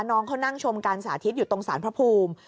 น้องเขานั่งชมการสาธิตอยู่ตรงสารพระภูมิ